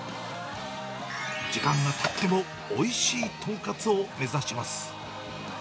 時間がたってもおいしい豚カツを目指します。